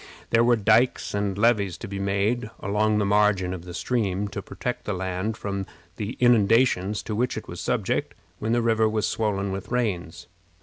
There were dikes and levees to be made along the margin of the stream to protect the land from the inundations to which it was subject when the river was swollen with rains.